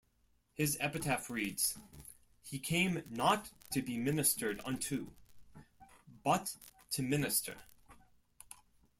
His epitaph reads: "He came not to be ministered unto, but to minister.